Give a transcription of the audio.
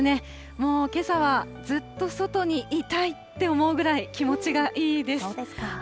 もうけさは、ずっと外にいたいって思うぐらい、気持ちがいいです。